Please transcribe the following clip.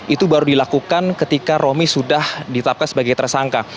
itu baru dilakukan ketika romi sudah ditetapkan sebagai tersangka